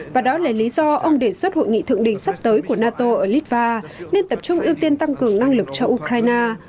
và đó là lý do ông đề xuất hội nghị thượng đỉnh sắp tới của nato ở litva nên tập trung ưu tiên tăng cường năng lực cho ukraine